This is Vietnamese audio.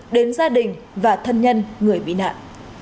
đến gia đình và thân nhân người bị nạn